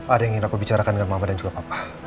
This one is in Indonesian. ada yang ingin aku bicarakan dengan mama dan juga papa